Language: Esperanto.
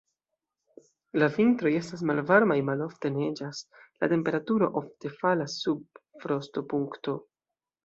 La vintroj estas malvarmaj, malofte neĝas, la temperaturo ofte falas sub frostopunkto.